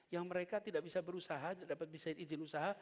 yang mereka tidak bisa berusaha dapat bisa izin usaha